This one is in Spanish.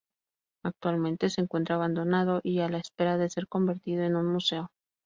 Actualmente se encuentra abandonado y a la espera de ser convertido en un museo.